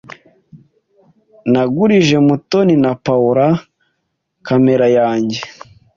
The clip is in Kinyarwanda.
Nagurije Mutoni na Paula kamera yanjye.